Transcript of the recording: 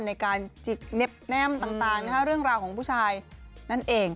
ในการจิกเน็บแน่มต่างเรื่องราวของผู้ชายนั่นเอง